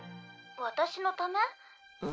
「私のため？」